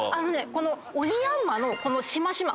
オニヤンマのこのしましま